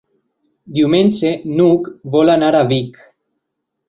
Diumenge n'Hug vol anar a Vic.